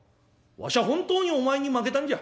わしゃ本当にお前に負けたんじゃ。